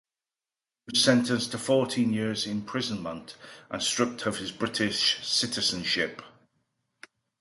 He was sentenced to fourteen years' imprisonment and stripped of his British citizenship.